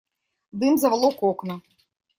Дым заволок окна.